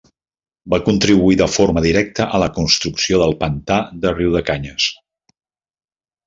Va contribuir de forma directa a la construcció del pantà de Riudecanyes.